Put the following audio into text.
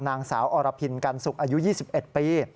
นางสาวอรพินกันสุกอายุ๒๑ปี